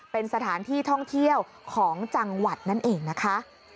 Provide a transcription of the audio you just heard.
เป็นสถานที่ท่องเที่ยวของจังหวัดนั่นเองนะคะ